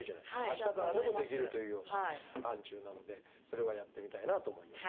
明日からでもできるというような範疇なのでそれはやってみたいなと思いますが。